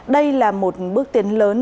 đây là một bước tiến lớn